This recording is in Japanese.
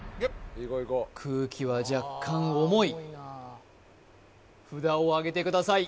空気は若干重い札をあげてください